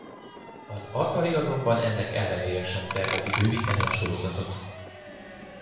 Az Atari azonban ennek ellenére sem tervezi bővíteni a sorozatot.